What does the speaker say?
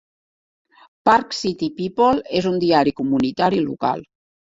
"Park Cities People" és un diari comunitari local.